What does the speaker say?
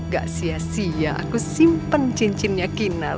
gak sia sia aku simpen cincinnya kinal